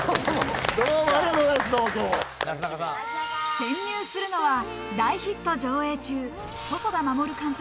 潜入するのは大ヒット上映中、細田守監督